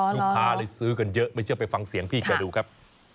ลูกค้าเลยซื้อกันเยอะไม่เชื่อไปฟังเสียงพี่แกดูครับ